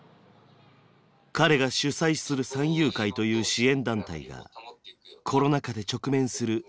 彼が主宰する山友会という支援団体がコロナ禍で直面する危機。